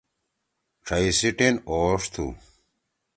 ڇھئی سی ٹین اوݜ تُھو۔